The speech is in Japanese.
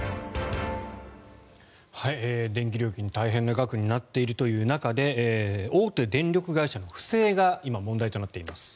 電気料金大変な額になっているという中で大手電力会社の不正が今、問題となっています。